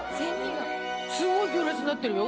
すごい行列になってるよ